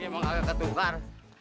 emang agak ketukar